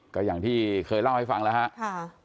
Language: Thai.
ก็อย่างที่เคยเล่าให้ฟังแล้วครับ